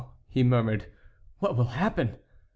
he murmured, "what will happen?